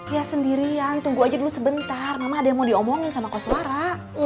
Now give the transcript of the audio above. ya sendirian tunggu aja dulu sebentar mama ada yang mau diomongin sama kosmara